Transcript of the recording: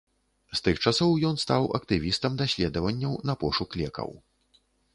З тых часоў ён стаў актывістам даследаванняў на пошук лекаў.